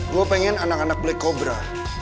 gue pengen anak anak black cobra